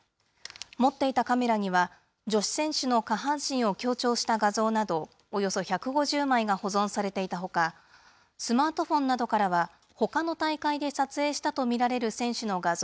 持っていたカメラには、女子選手の下半身を強調した画像など、およそ１５０枚が保存されていたほか、スマートフォンなどからは、ほかの大会で撮影したと見られる選手の画像